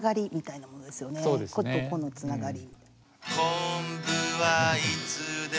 個と個のつながり。